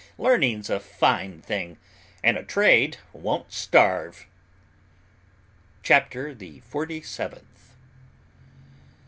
Learning's a fine thing, and a trade won't starve.'" CHAPTER THE FORTY SEVENTH.